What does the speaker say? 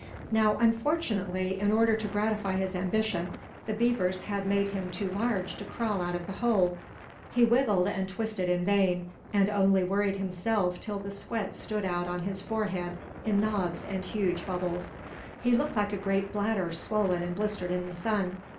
Now, unfortunately, in order to gratify his ambition, the beavers had made him too large to crawl out of the hole. He wiggled and twisted in vain, and only worried himself till the sweat stood out on his forehead in knobs and huge bubbles. He looked like a great bladder swollen and blistered in the sun.